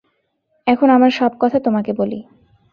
এখন আমার সব কথা তোমাকে বলি।